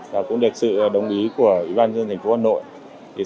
và cũng được sự đồng ý của ủy ban dân thành phố hà nội